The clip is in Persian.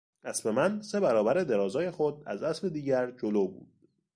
اسب من سه برابر درازای خود از اسب دیگر جلو بود.